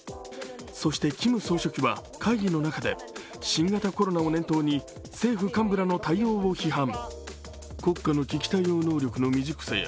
そしてキム総書記は会議の中で新型コロナを念頭に政府幹部らの対応を批判。